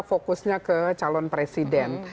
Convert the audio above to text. fokusnya ke calon presiden